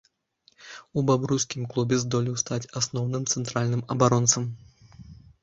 У бабруйскім клубе здолеў стаць асноўным цэнтральным абаронцам.